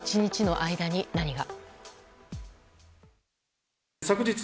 たった１日の間に何が。